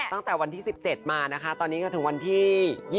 ตั้งวันที่๑๗นะคะตอนนี้ก็ถึงวันที่